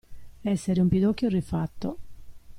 Essere un pidocchio rifatto.